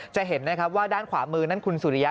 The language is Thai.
จะเห็นนะครับว่าด้านขวามือนั่นคุณสุริยะ